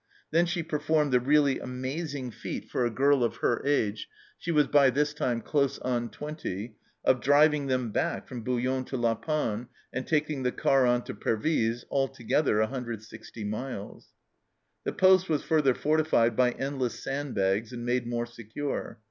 Then she performed the really amazing feat for a girl of her age (she was by this time close on twenty) of driving them back from Boulogne to La Panne and taking the car on to Pervysc, altogether 160 miles ! The paste was further fortified by endless sand bags and made more secure.